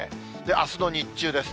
あすの日中です。